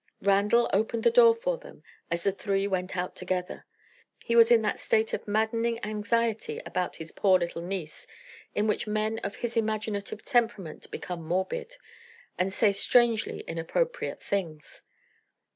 Randal opened the door for them as the three went out together. He was in that state of maddening anxiety about his poor little niece in which men of his imaginative temperament become morbid, and say strangely inappropriate things.